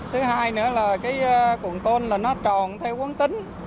thứ hai nữa là cái cuộn tôn là nó tròn theo quấn tính